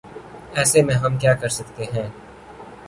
ایسے میں ہم کیا کر سکتے ہیں ۔